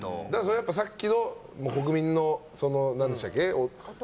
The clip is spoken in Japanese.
やっぱりさっきの国民の何でしたっけ？